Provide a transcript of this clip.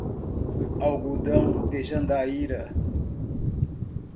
Algodão de Jandaíra